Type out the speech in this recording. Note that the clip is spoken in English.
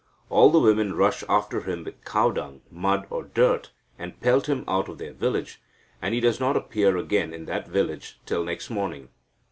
All the women rush after him with cow dung, mud, or dirt, and pelt him out of their village, and he does not appear again in that village till next morning.